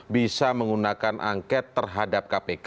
bisa menggunakan angket terhadap kpk